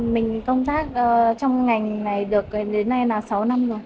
mình công tác trong ngành này được đến nay là sáu năm rồi